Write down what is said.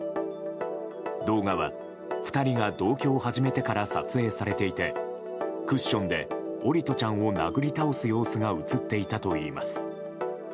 動画は２人が同居を始めてから撮影されていてクッションで桜利斗ちゃんを殴り倒す様子が映っていたといいます。